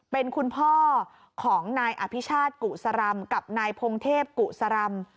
เป็นคุณพ่อของนายอภิชาติกุศรำกับนายพงเทพกุศรำ